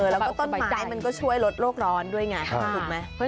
และต้นไม้มันก็ช่วยลดโลกร้อนด้วยถูกไหม